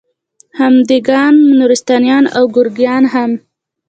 هم دېګان، نورستاني او ګوریان هم